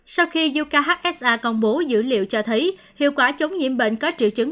sau khi jukha công bố dữ liệu cho thấy hiệu quả chống nhiễm bệnh có triệu chứng